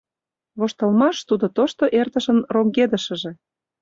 Воштылмаш тудо тошто эртышын роҥгедышыже.